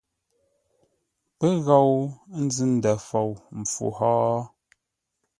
Pə́ ghou nzʉ-ndə̂ fou mpfu hó?